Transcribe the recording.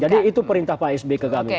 jadi itu perintah pak sbi ke kami